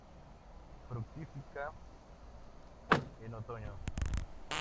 Fructifica en otoño.